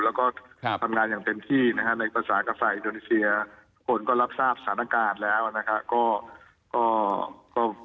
แล้วก็ทำงานอย่างเต็มที่นะฮะในภาษากษ่ายอินโดนีเซียคนก็รับทราบสถานการณ์แล้วนะครับ